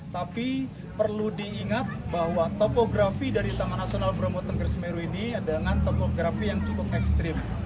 tapi perlu diingat bahwa topografi dari taman nasional bromo tengger semeru ini adalah topografi yang cukup ekstrim